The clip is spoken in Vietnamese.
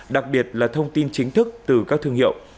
đặc biệt là thông tin chính thức từ các thương hiệu